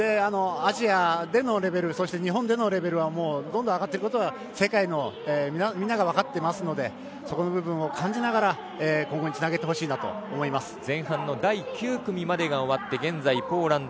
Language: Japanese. アジアでのレベルそして日本でのレベルはどんどん上がっていることは世界のみんなが分かっていますのでそこの部分を感じながら今後につなげてほしいなと思います。